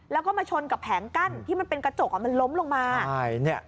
แล้วก็มาชนกับแผงกั้นที่มันเป็นกระจกมันล้มลงมา